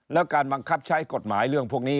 แล้วการบังคับใช้กฎหมายเรื่องพวกนี้